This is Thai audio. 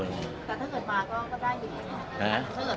มี่โรงนายุคอย่างเดียว